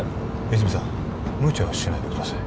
泉さんむちゃはしないでください